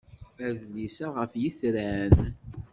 Adlis-a ɣef yitran.